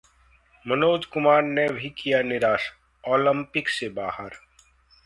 मनोज कुमार ने भी किया निराश, ओलंपिक से बाहर